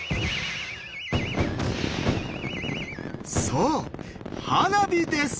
そう花火です！